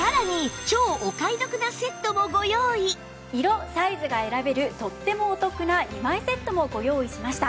さらに色サイズが選べるとってもお得な２枚セットもご用意しました。